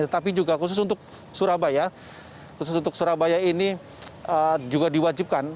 tetapi juga khusus untuk surabaya khusus untuk surabaya ini juga diwajibkan